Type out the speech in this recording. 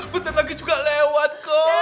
bentar lagi juga lewat ke